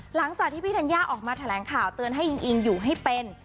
หลังจากที่พี่ธัญญาออกมาแถลงข่าวเตือนให้อิงอิงอยู่ให้เป็น